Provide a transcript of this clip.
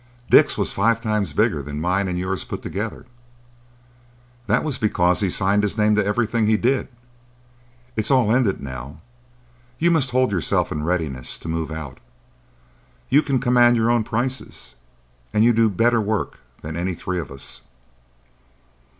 "Dick's was five times bigger than mine and yours put together." "That was because he signed his name to everything he did. It's all ended now. You must hold yourself in readiness to move out. You can command your own prices, and you do better work than any three of us."